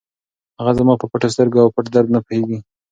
هغه زما په پټو سترګو او پټ درد نه پوهېږي.